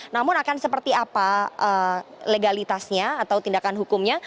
namun akan seperti apa legalitasnya atau tindakan hukumnya